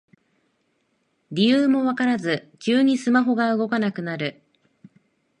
理由もわからず急にスマホが動かなくなる